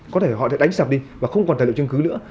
có thể họ sẽ đánh sập đi và không còn tài liệu chứng cứ nữa